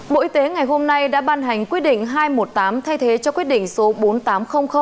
bộ y tế ngày hôm nay đã ban hành quyết định hai trăm một mươi tám thay thế cho quyết định số bốn